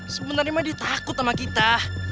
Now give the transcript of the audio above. sebenarnya mah dia takut sama kita